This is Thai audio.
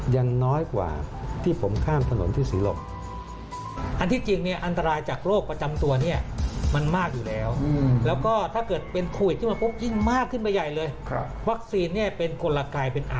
ยังน้อยกว่าที่ผมข้ามถนนที่ศรีลม